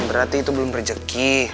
berarti itu belum rezeki